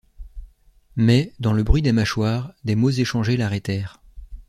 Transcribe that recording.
Mais, dans le bruit des mâchoires, des mots échangés l’arrêtèrent.